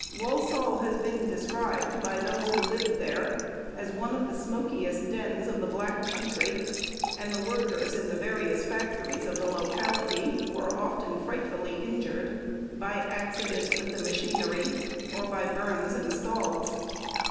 Walsall has been described by those who lived there as "one of the smokiest dens of the Black Country," and the workers in the various factories of the locality were often frightfully injured by accidents with the machinery, or by burns and scalds.